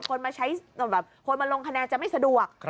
คนมาลงคะแนนจะไม่สะดวก